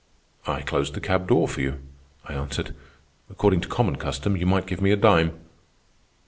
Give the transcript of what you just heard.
"'I closed the cab door for you,' I answered. 'According to common custom you might give me a dime.